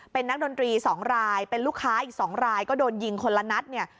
เป็นนักดนตรี๒รายเป็นลูกค้าอีก๒รายก็โดนยิงคนละนัดเนี่ย